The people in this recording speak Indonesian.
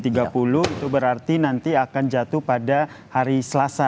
itu berarti nanti akan jatuh pada hari selasa